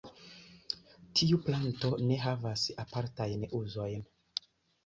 Tiu planto ne havas apartajn uzojn.